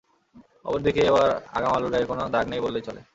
অপর দিকে এবার আগাম আলুর গায়ে কোনো দাগ নেই বললেই চলে।